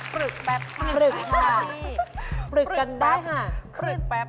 ลึกแป๊บปรึกค่ะปรึกกันได้ค่ะปรึกแป๊บ